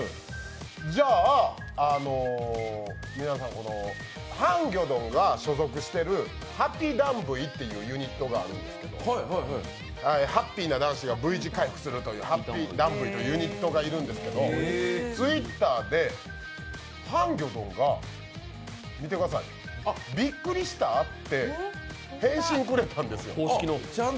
じゃあ、皆さん、ハンギョドンが所属しているはぴだんぶいっていうユニットがあるんですけど、ハッピーな男子がＶ字回復するというユニットがいるんですけどＴｗｉｔｔｅｒでハンギョドンが「びっくりした？」って返信くれたんですよ。